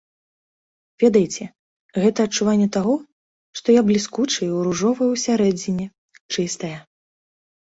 Ведаеце, гэта адчуванне таго, што я бліскучая і ружовая ўсярэдзіне, чыстая.